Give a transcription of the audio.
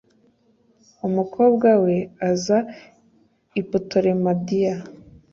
umukobwa we aza i putolemayida